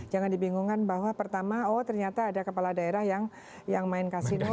jangan dibingungkan bahwa pertama oh ternyata ada kepala daerah yang main kasino